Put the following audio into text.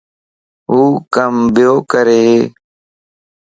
هو ڪم ٻيو ڪري